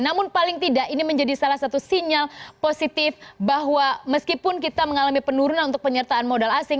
namun paling tidak ini menjadi salah satu sinyal positif bahwa meskipun kita mengalami penurunan untuk penyertaan modal asing